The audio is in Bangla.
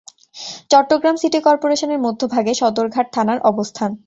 চট্টগ্রাম সিটি কর্পোরেশনের মধ্যভাগে সদরঘাট থানার অবস্থান।